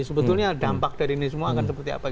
sebetulnya dampak dari ini semua akan seperti apa